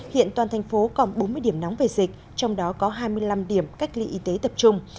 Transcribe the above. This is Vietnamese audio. hiện toàn thành phố còn bốn mươi điểm nóng về dịch trong đó có hai mươi năm điểm cách ly y tế tập trung